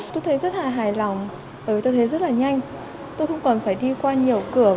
tôi thấy rất là hài lòng tôi thấy rất là nhanh tôi không còn phải đi qua nhiều cửa